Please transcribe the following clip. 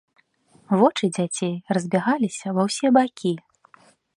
Вочы дзяцей разбягаліся ва ўсе бакі.